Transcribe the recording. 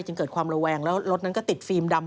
จึงเกิดความระแวงแล้วรถนั้นก็ติดฟิล์มดำ